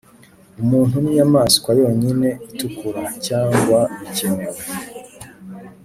] umuntu ninyamaswa yonyine itukura. cyangwa bikenewe.